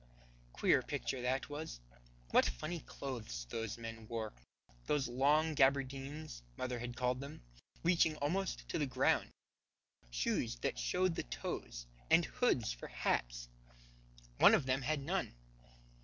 Queer picture that it was! What funny clothes those men wore! Those long gabardines, mother had called them, reaching almost to the ground; shoes that showed the toes, and hoods for hats. One of them had none.